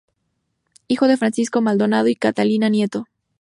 Hijo de Francisco Maldonado y Catalina Nieto.